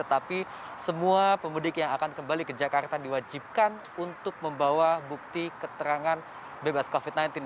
tapi semua pemudik yang akan kembali ke jakarta diwajibkan untuk membawa bukti keterangan bebas covid sembilan belas